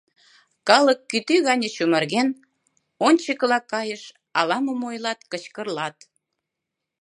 Калык, кӱтӱ гане чумырген, ончыкыла кайыш, ала-мом ойлат, кычкырлат.